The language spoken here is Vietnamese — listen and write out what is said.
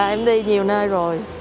em đi nhiều nơi rồi